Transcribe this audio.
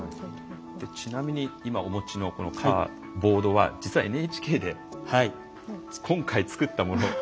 ちなみに、今お持ちのこちらのボードは実はＮＨＫで今回作ったものなんですよね。